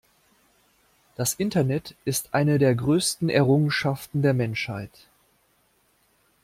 Das Internet ist eine der größten Errungenschaften der Menschheit.